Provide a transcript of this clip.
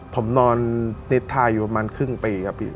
ผมนอนนิทาอยู่ประมาณครึ่งปีครับพี่